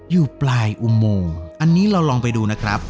อยู่ปลายอุโมงอันนี้เราลองไปดูนะครับ